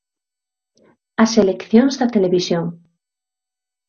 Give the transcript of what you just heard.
As eleccións da televisión.